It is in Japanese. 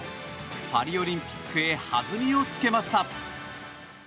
パリオリンピックへ弾みをつけました。